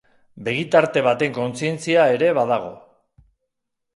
Begitarte baten kontzientzia ere badago.